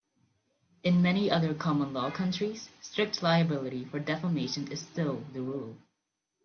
In many other common law countries, strict liability for defamation is still the rule.